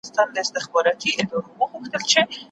دوې او درې پیالې لا اخلم مستېدو ته مي زړه کیږي